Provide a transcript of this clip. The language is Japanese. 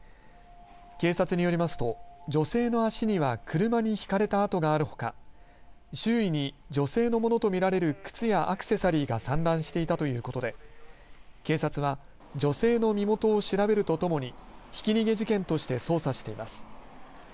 警察によりますと女性の足には車にひかれた痕があるほか周囲に女性のものと見られる靴やアクセサリーが散乱していたということで警察は女性の身元を調べるとともにひき逃げ事件として捜査しています。